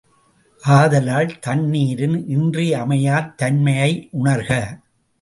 ஆதலால், தண்ணீரின் இன்றியமையாத் தன்மையை உணர்க!